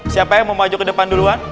siapa yang mau maju ke depan duluan